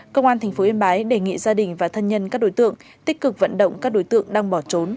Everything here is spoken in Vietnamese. công an tp yên bái đề nghị gia đình và thân nhân các đối tượng tích cực vận động các đối tượng đang bỏ trốn